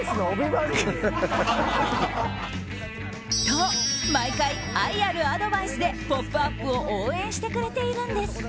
と、毎回愛あるアドバイスで「ポップＵＰ！」を応援してくれているんです。